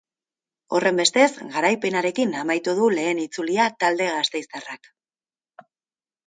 Horrenbestez, garaipenarekin amaitu du lehen itzulia talde gasteiztarrak.